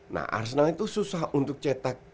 nah arsenal itu susah untuk cetak